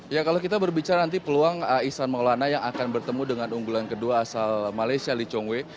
ya kalau kita berbicara nanti peluang ihsan maulana yang akan bertemu dengan unggulan kedua asal malaysia lee chong wei